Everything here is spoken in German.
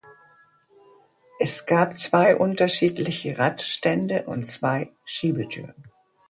Es gab zwei unterschiedliche Radstände und zwei Schiebetüren.